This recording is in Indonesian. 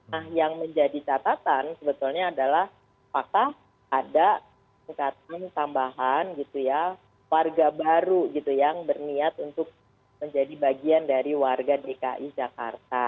nah yang menjadi catatan sebetulnya adalah fakta ada tingkatan tambahan gitu ya warga baru gitu yang berniat untuk menjadi bagian dari warga dki jakarta